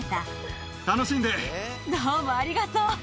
どうもありがとう。